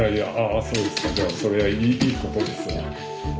そうですかじゃあそれはいいことです。